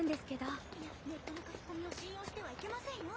いやネットの書き込みを信用してはいけませんよ。